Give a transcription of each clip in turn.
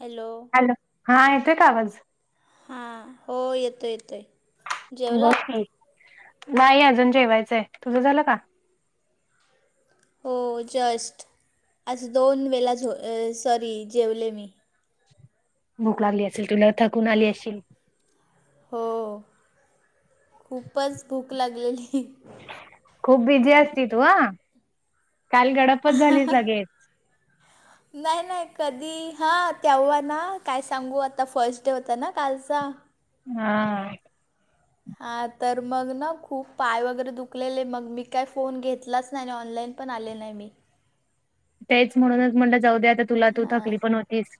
Hello! Hello, हा येतोय का आवाज? हा हो येतोय येतोय! बोला नाही अजून जेवायचं आहे, तुझं झालं का? हो जस्ट आज दोन वेला झो सॉरी जेवले मी. भूक लागली असेल तुला थकून आली असशील? हो खूपच भूक लागलेली. खूप बिझी असती तू आ, काल गडपच झालीस लगेच. नाही नाही कधी हा तेव्हा ना काय सांगू आता फर्स्ट डे होता ना कालचा. हा! हा तर मग ना खूप पाय वगैरे दुखलेले मग मी काय फोन घेतलाच नाही आणि ऑनलाईन पण आले नाही मी. तेच म्हणूनच म्हणलं जाऊदे आता तुला तू थकली पण होतीस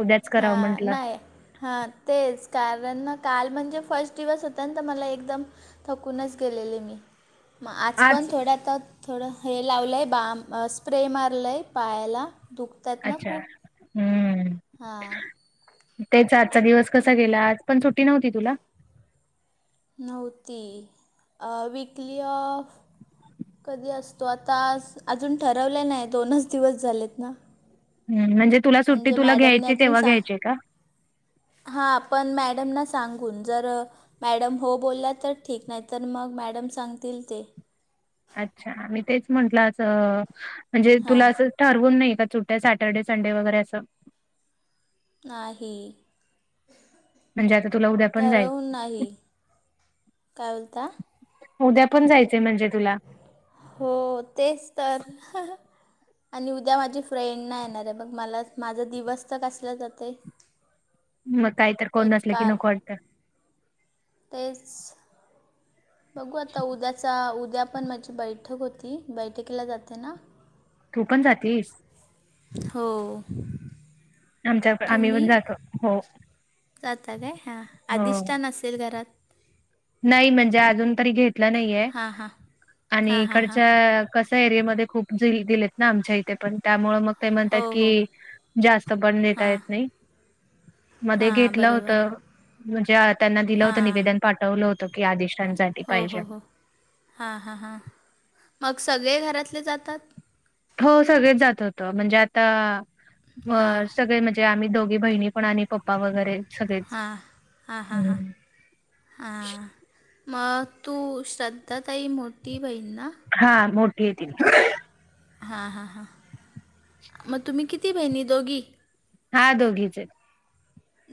उद्याच हा करावं म्हंटलं नाय हां तेच कारण काल म्हणजे फर्स्ट दिवस होत ना तर मला एकदम थकूनच गेलेले मी, मग आज पण थोड्या आता थोडं हे लावलंय बाम स्प्रे मारलय पायाला दुख अच्छा हम्म! हां! तेच आजचा दिवस कसा गेला आज पण सुट्टी नव्हती तुला? नव्हती विकली ऑफ कधी असतो! आता अजून ठरवले नाही दोनच दिवस झालेत ना. हम्म म्हणजे तुला सुट्टी म्हणजे तुला मॅडमने घ्यायची अजून तेव्हा सांग घ्यायची का? हां आपण मॅडमना सांगून जर मॅडम हो बोलल्या तर ठीक नाही तर मग मॅडम सांगतील ते! अच्छा मी तेच म्हंटलं असं म्हणजे तुला हां असं ठरवून नाही सुट्ट्या सॅटर्डे संडे वगैरे असं? नाही! म्हणजे आता तुला उद्या पण जाय ठरवून नाही, काय बोलता? उद्या पण जायचंय म्हणजे तुला? हो तेच तर आणि उद्या माझी फ्रेंड नाही येणार आहे बघ मला माझा दिवस तर कसला जाते. मग काही तर कोण नसले कि बेकार नकोत. तेच बघू आता उद्याचा उद्या पण माझी बैट बैठक होती बैठकीला जाते ना. तू पण जातीलस? हो. आमच्या आम्ही तुम्ही पण जातो हो जाता काय हा हो अधिष्ठानानसेल घरात नाही म्हणजे अजून तरी घेतलं नाहीये हां हां हां आणि हां हां इकडच्या कसा एरियामध्येध्ये खूप दिलेत ना आमच्या इथे पण त्यामुळे मग ते म्हणतात हो हो कि जास्त पण देता येत हां नाही. मध्ये हां घेतलं होत बरोबर म्हणजे त्यांना दिलं होत हां निवेदन पाठ हवलं होत की आदेशांचा हो हो हो हां हां हां मग सगळे घरातले जातात. हो सगळेच जात होत म्हणजे आता हां सगळे म्हणजे आम्ही दोघी बहिणी पण आणि पप्पा वगैरे सगळेच हां हा हा हां. हम्म हां मग तू श्रद्धा तई मोठी बहीण ना. हा मोठी आहे त. हां हां हां मग तुम्ही किती बहिणी दोघी हा दोघीचे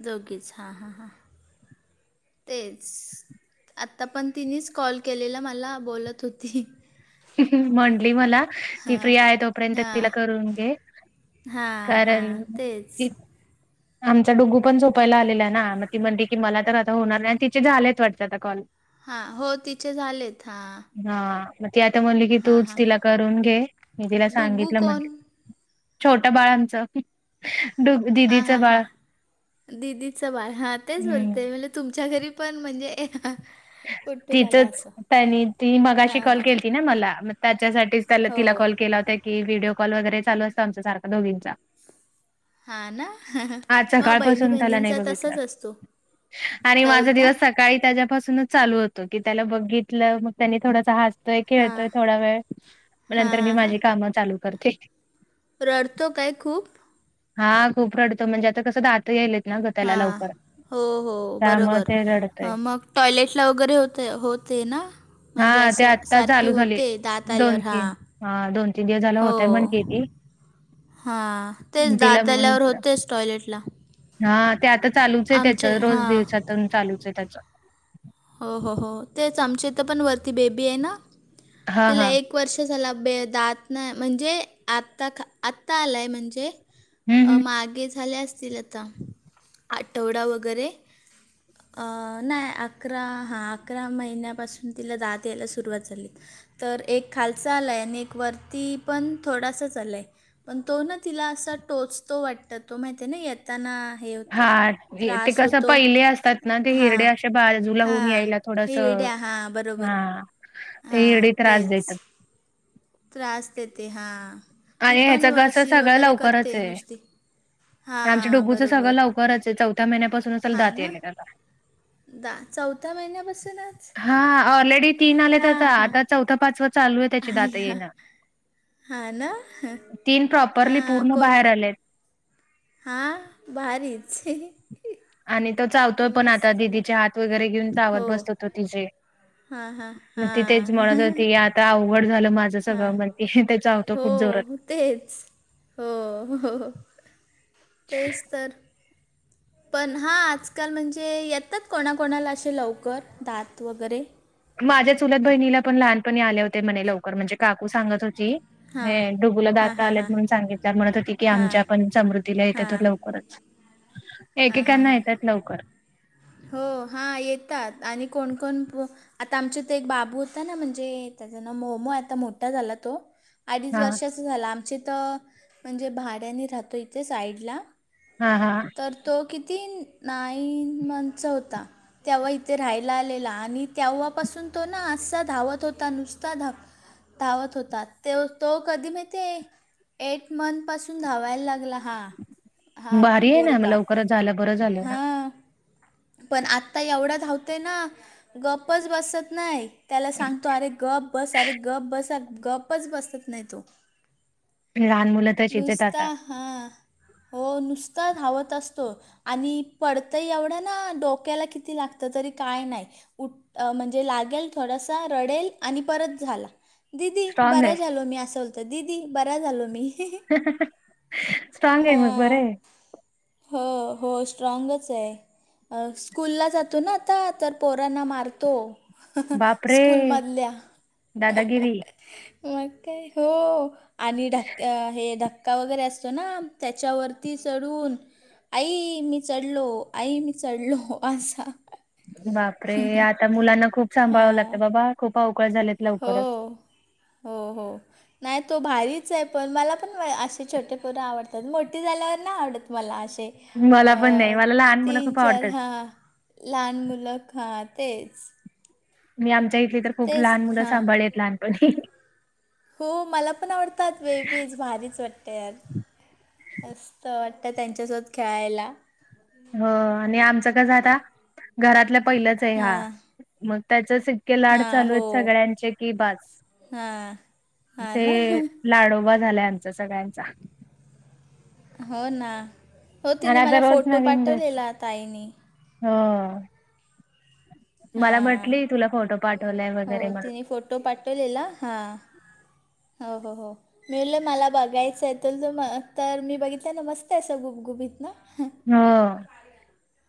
दोघीच हां हां हां तेच आता पण तिनेच कॉल केलेला मला बोलत होती. म्हटली मला ती हां फ्री आहे तोपर्यंत तिला हां करून घे. हां कारण हां तेच आमचा डुगू पण सोपायला आलेला आहे ना मग ती म्हणते की मला तर आता होणार नाही आणि तिचे झालेच वाटतं आता कॉल हां हो तिचे झालेत हां. हा मग ती आता म्हणली की तूच तिला करून घे मी तिला डुग्गू सांगितलं कोण म्हंटलं. छोट्या बाळांचं [unintelligible] ु हा हा हां दिदीचं बाळ हा तेच हम्म बोलते म्हणज तुमच्या घरी पण म्हणजे उठून आला तिथच असं त्यांनी ती मगाशी हां कॉल हां केती ना मला म त्याच्यासाठी त्याला तिला हो कॉल केला होता की व्हिडिओ कॉल वगैरे चाल असत आमच्या सारखा दोघंचा हां ना मग बहिणी त्याला नाही बहिणींचा बघितलं तसाच असतो. आणि काय माझा बोलता दिवस सग काळी त्याच्यापासूनच चालू होतो की त्याला बघितलं मग त्यानी थोडासा ह. य हां खेळतोय थोडा वेळ हां नंतर मी हां हां माझी कामं चालू करते. रडतो काय खूप हा खूप रडतो म्हणजे आता कसं दात्र येईल. हा हो हो त्यामुळे बरोबर ते रडतंय. मग टॉयलेटला वगैरे होते होते ना. म्हणजे हा ते असं आत्ता सारखी चालू झाले. होते दात दोन आल्यावर हा तीन हा दोन तीन दिवस झालं होतंय हो. म्हणतीये ती. हा तेच तिला दात आल्यावर म्हटलं होतेच टॉयलेट ला हा ते आता चालूच आहे त्याच रोज हां दिवसातून चालूच आहे त्याच. हो हो हो तेच आमच्या इ तर पण वरती बेबी आहे ना हा तिला हा एक एक वर्ष झाला बे दातन म्हणजे आत्ता ख आत्ता आलाय म्हणजे हम्म हम्म मागे झाले असतील. आ आठवडा वगैरे नाही आ. अकरा हा अकरा महिन्यापासून तिला दात यायला सुरुवात झाली. तर एक खालचा आलाय, आणि एक वरती पण थोडासाच आलाय. पण तो ना तिला असा, टोचतो वाटत तो माहिती आहे ना येताना. हे होतो हा, ते त्रास कस होतो पहिले असतात ना, ते हिरडे हां अस ते बाजूला होऊन हां यायला थोडस, हिरड्या हां हा बरोबर ते हिरडी हां त्रास तेच देतात. त्रास देत हां. ती आणि ह्याच पण कस वशी सगळं वगैरे लवकरच करते आहे. नुसती आमच्या हां डुगूचं सगळं बरोबर लवकरच आहे, चौथ्या महिन्यापासूनच दात याले आता. अ.. द. चौथ्या महिन्यापासूनच. हा. ऑलरेडी तीन आले त्याच, हां हां आता चौथा पाचव चालू आहे त्याची आई दात हां येणं. हां ना तीन प्रॉपरली हां पूर्ण कोण बाहेर आलेत. हां भारीची. आणि तो चावतोय पण, आता दिदीचे मग हात वगैरे घेऊन चावत हो बसतो तो तिचेे. हां हां मग ति तेच म्हणत हां होती, आता अवघड झालं माझ. हां [unintelligible] चावतो हो खूप जोरात. तेच हो हो तेच तर. पण हा आजकाल म्हणजे, येतात कोणाकोणाला असे लवकर दात वगैरे. माझ्या चुलत बहिणीला पण लहानपणी आले होते. म्हणे लवकर म्हणजे काकू सांगत होती. हां हे डुगूला हां दात हां आलेत हां म्हणून सांगितल्या वर म्हणत होती की, हां आमच्या पण समृद्धीला येते हां होत लवकर. खरंच. हां हां हां. हो हां येतात आणि कोणकोण पो आता आमच्या इथं एक बाबू होता ना, म्हणजे त्याचं नाव मोमो आता मोठा झाला तो. अडीच हा वर्षांचा झाला, आमच्या इथं म्हणजे भाड्याने राहतो इथे साईडला. हा हा. तर तो किती, नाईन मंतचा होता. तेव्हा इथे राहायला आलेला, आणि तेव्हापासून तो ना असा धावत होता नुसता धाव धावत होता ते तो कधी माहिते, एट मंथ पासून धावायला लागला. हां हां बोर. बरं झालं, बरं झालं ना. पण आता एवढं धावतोय ना, गप्पच बसत नाही. त्याला सांगतो. अरे गप बस, अरे गप बस, गप्पच बसत नाही तो. लहान मुलं तशीच आहेत नुसता आता हा, हो नुसता धावत असतो. आणि पडतं एवढं ना, डोक्याला किती लागतं तरी काय नाही. उठ म्हणजे, लागेल थोडंसं रडेल आणि परत झाला. दिदी स्ट्रॉंग बरां आहे. झालो मी, अस बोलतो दीदी बरां झालो मी. स्ट्राग आहे, मग हां बरं ये. हो. हो स्ट्रॉगच आहे. स्कूल ला जातो ना, आता तर पोरांना मारतो. बापरे स्कूल मधल्या. दादागिरी मग काय, हो आणि ढक हे ढक का वगैरे असतो ना, त्याच्यावरती चढून आई. आई मी चढलो. आई मी चढलो आसा. बापरे आता मुलांना खूप सांभाळावं लागतं, हां बाबा खूप अवकळ झालेत. लवकरच. हो. हो. हो. नाही तो भारीच आहे. पण मला पण असे छोटे पोरं आवडतात, मोठे झाल्यावर नाही आवडत मला असे. अ, मला पण नाही, मला लहान मुलं तीन खूप चार आवडतात. हां लहान मुलं हा तेच. मी आमच्या इथली तर खूप तेच लहान मुलं हां सांभाळलेत लहानपणी. हो मला पण आवडतात. बेबीज भारीच वाटते यार. मस्त वाटतं त्यांच्यासोबत खेळायला. हो. आणि आमचं कस आता, घरातल पहिलंच आहे हा, हां मग त्यांचंच े लाड हां चालू हो आहेत सगळ्यांचे कि बस हां हां ना ते लाडोबा झालाय आमचा सगळ्यांचा हो ना हो आणि तिने आता मला रोज फोटो नवीन घर पाठवलेला ताईने हो मला हां म्हटली तुला फोटो पाठवलाय हो वगैरे म तिने फोटो पाठवलेला हां हो हो हो. मिळल मला बघायचं आहेेत त तर मी बघितलं ना मस्त असं गुपगुपत ना हो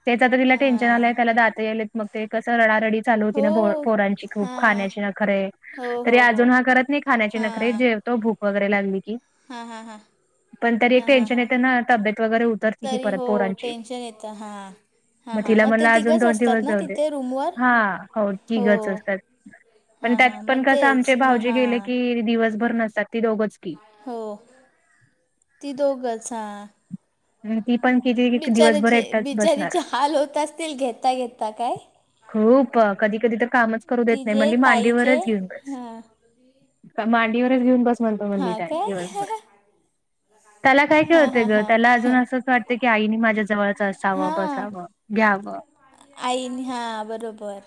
त्याचा आता तिला टेन्शन हां आलंय त्याला दात यालेत मग ते कस रडारडी चालू होती हो ना पोरांची खूप हां खाण्याची न खरे हो तरी हो हो अजून हा करत नाही. खाण्याची नखरे हां जेवतो भूक वगैरे लागली की हां हां हां पण तरी एक हां हां टेन्शन हां येतं ना तब्येत वगैरे उतरते कि तरी हो टेन्शन येतं हा मग तिला मणला अजून दोन दिवस जाऊ दे रूमवर हा हो की गच असतात. पण हां त्यात हां मग पण कसं आमचे तेच मग भाऊजी हां गेले की दिवसभर नसतात ती दोघंच की हो ती दोघंच. अन् ती पण किती दिवसभर बिचाराचे एकटाच बसणार. बिचारीचे हाल होत असतील घेता घेता काय खूप कधी कधी तर कामच करू देत नाही तिचे म्हणली ताईचे मांडीवरच घेऊन बस हां मांडीवरच घेऊन बस म्हणतो म्हणली हां त्या काय दिवसभर त्याला काय हां खेळतं हां ग. त्याला अजून हां असंच वाटतं की आईनी माझ्या जवळच असावं बसावं घ्यावं. आईन हा बरोबर.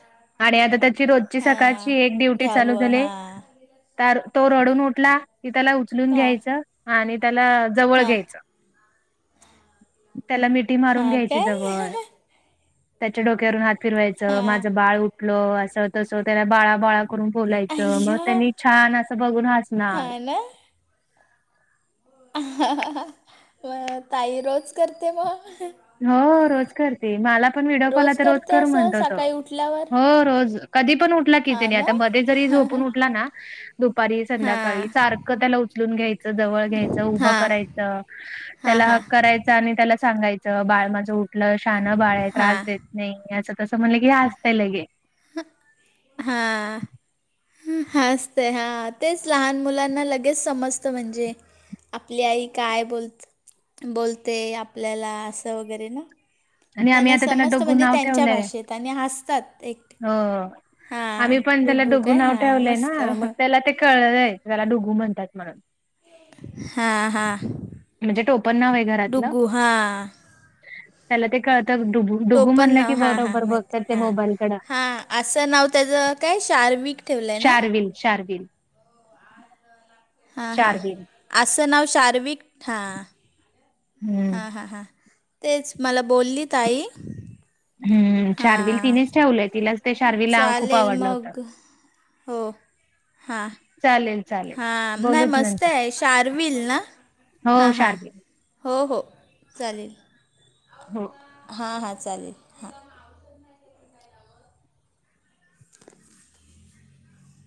आणि आता त्याची रोजची हां सकाळची एक ड्युटी चालू घ्यावं झाली. हां तो रडून उठला कि त्याला उचलून हां घ्यायचं आणि त्याला जवळ हां घ्यायचं. त्याला मिठी मारून हां घ्यायची काय जवळ त्याच्या डोक्यावरून हात फिरवायचं हां माझं बाळ उठलं असं तसं त्याला बाळा बाळा करून बोलायच मग अय्या त्यांनी छान असं बघून हणार हां म ताई रोज करते मग हो रोज करते मला पण व्हिडिओ कॉलला तर रोज करते कर असं म्हणतो तो सकाळी उठल्यावर हो रोज कधी पण उठला की हा जनी ना आता मध्ये जरी झोपून उठला ना दुपारी संध्याकाळी हा सारखं त्याला उचलून घ्यायचं जवळ घ्यायचं उभं हा करायचं. हा त्याला हा हक करायचा आणि त्याला सांगायचं बाळ माझं उठलं शान बाळ आहे हा त्रास देत. नाही या असं तसं म्हणलं की हे असता ल गे हा ह हा असत हा तेच लहान मुलांना लगेच समजतं म्हणजे आपली आई काय बोलत बोलते आपल्याला असं वगैरे ना आणि आम्ही त्यांना आता त्याला समस्त डोगू म्हणजे नाव त्यांच्या ठेवलंय. भाषेत आणि हसतात एक हो आम्ही पण त्याला दोघू काय नाव हां ठेवलंय मस्त ना मग त्याला ते कळलंय त्याला डुगू म्हणतात म्हणून हा हा म्हणजे टोपण नाव आहे घरातलं त्याला ते कळतंुब, टोपण नाव हा हा माहिित हा मोबाईलकडं हा असं नाव त्याचं काय शार्विक, ठेवलं आहे ना शार्विील शार्विील हा हा असं नाव शार्विक हा हम्म हा हा हा तेच मला बोलली ताई हम् चार्विल हां तिनेच ठेवलंय तिलाच ते चार्विलला खूप चालेल आवडलं होत. मग हो हां. चालेल चालेल. हां नाही बोलूच मस्त नंतर आहे शारविील ना हो हां हां शार्विल हो हो चालेल हो हां हां चालेल हां